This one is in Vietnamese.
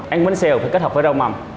ăn bánh xèo phải kết hợp với rau mầm